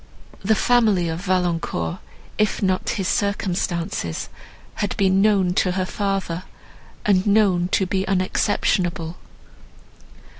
The family of Valancourt, if not his circumstances, had been known to her father, and known to be unexceptionable.